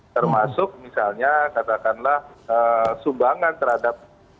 termasuk misalnya katakanlah sumbangan terhadap